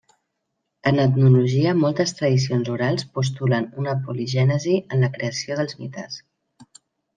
En etnologia moltes tradicions orals postulen una poligènesi en la creació dels mites.